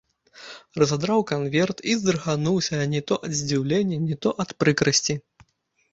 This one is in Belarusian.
Разадраў канверт і здрыгануўся не то ад здзіўлення, не то ад прыкрасці.